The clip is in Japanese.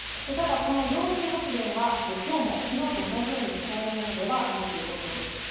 ただこの揚水発電は今日も昨日と同じように使えるものではないということなんです。